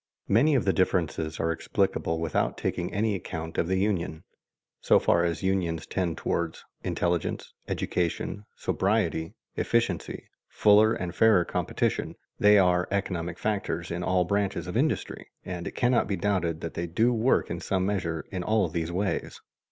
Many of the differences are explicable without taking any account of the union. So far as unions tend toward intelligence, education, sobriety, efficiency, fuller and fairer competition, they are economic factors in all branches of industry, and it cannot be doubted that they do work in some measure in all these ways.